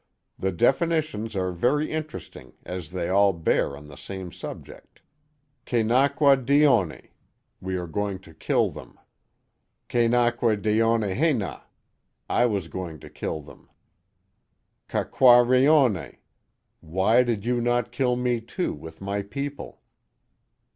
The definitions are very interesting, as they all bear on the same subject: Ke na kwa di one — We are going to kill lliem. Ke na kwa di io he ne— ^I was going to kill them, Ka qua ri on ne — Why did you not kill me, too, with my people